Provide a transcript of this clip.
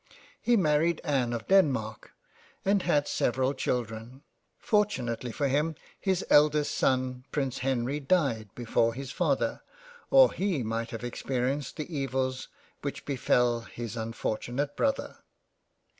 He married Anne of Denmark, and had several Children ; fortunately for him his eldest son Prince Henry died before his father or he might have experienced the evils which befell his unfortunate Brother.